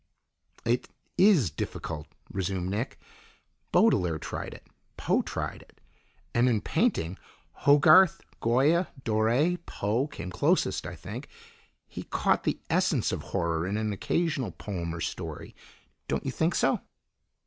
"It is difficult," resumed Nick. "Baudelaire tried it, Poe tried it. And in painting, Hogarth, Goya, Dore. Poe came closest, I think; he caught the essence of horror in an occasional poem or story. Don't you think so?"